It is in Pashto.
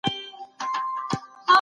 لويه جرګه د سولي پيغام ورکوي.